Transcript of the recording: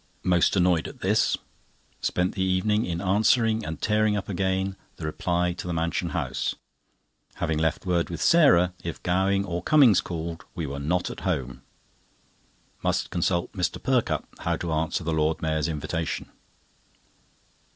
Most annoyed at this. Spent the evening in answering, and tearing up again, the reply to the Mansion House, having left word with Sarah if Gowing or Cummings called we were not at home. Must consult Mr. Perkupp how to answer the Lord Mayor's invitation.